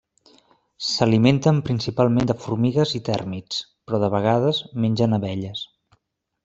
S'alimenten principalment de formigues i tèrmits, però de vegades mengen abelles.